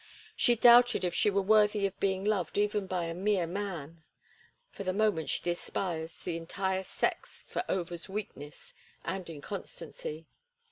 She doubted if she were worthy of being loved even by a mere man—for the moment she despised the entire sex for Over's weakness and inconstancy.